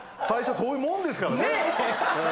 最初そういうもんですからね。